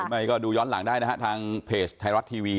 เห็นไหมก็ดูย้อนหลังได้ทางเพจไทยรัฐทีวี